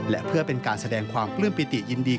และเพื่อเป็นการแสดงความปลื้มปิติยินดี